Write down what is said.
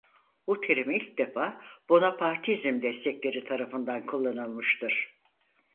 Bu terim ilk defa Bonapartizm destekleri tarafından kullanılmıştır.